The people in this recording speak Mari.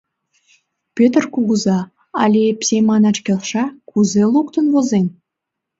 Пӧтыр кугыза, але Епсей манаш келша, кузе луктын возен?